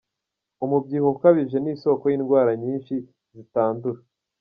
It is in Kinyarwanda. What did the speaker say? Umubyibuho ukabije ni isoko y’indwara nyinshi zitandura.